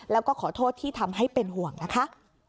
แล้วก็ขอโทษที่ทำให้เป็นห่วงนะคะ